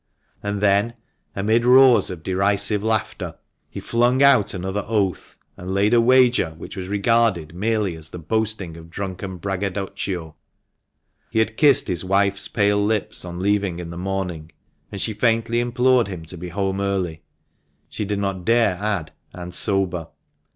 And then, amid roars of derisive laughter, he flung THE MANCHESTER MAN. out another oath, and laid a wager which was regarded merely as the boasting of drunken braggadocio. He had kissed his wife's pale lips on leaving in the morning, and she faintly implored him to be home early — she did not dare add, "and sober."